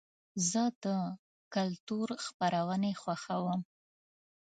زه د کلتور خپرونې خوښوم.